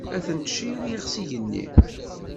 Ad ten-tciriɣ s yigenni.